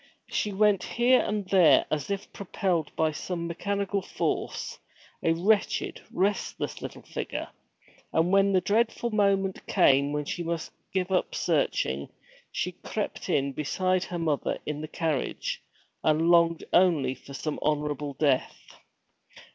She went here and there as if propelled by some mechanical force, a wretched, restless little figure. And when the dreadful moment came when she must give up searching, she crept in beside her mother in the carriage, and longed only for some honorable death.